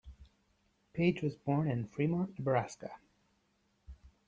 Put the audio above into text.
Page was born in Fremont, Nebraska.